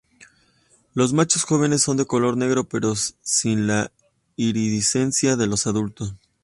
Los machos jóvenes son de color negro, pero sin la iridiscencia de los adultos.